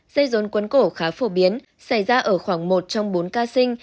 dây rốn quấn cổ khá phổ biến xảy ra ở khoảng một trong bốn ca sinh